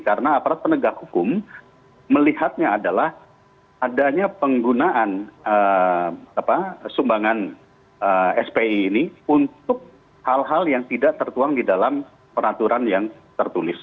karena aparat penegak hukum melihatnya adalah adanya penggunaan sumbangan spi ini untuk hal hal yang tidak tertuang di dalam peraturan yang tersebut